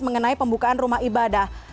mengenai pembukaan rumah ibadah